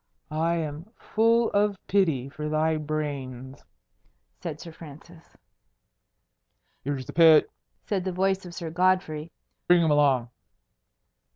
"I am full of pity for thy brains," said Sir Francis. "Here's the pit!" said the voice of Sir Godfrey. "Bring him along."